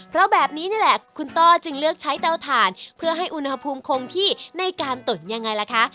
เพราะแบบนี้นี่แหละคุณต้อจึงเลือกใช้เตาถ่านเพื่อให้อุณหภูมิคงที่ในการตุ๋นยังไงล่ะคะ